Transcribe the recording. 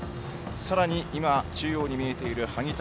さらに今中央に見えている萩谷。